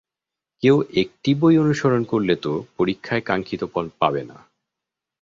কেউ একটি বই অনুসরণ করলে তো পরীক্ষায় কাঙ্ক্ষিত ফল পাবে না।